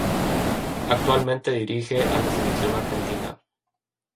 Actualmente dirige a la selección argentina.